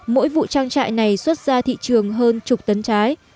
mỗi vụ trang trại này xuất ra thị trường hơn chục tấn trái